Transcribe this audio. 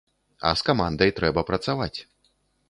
А з камандай трэба працаваць.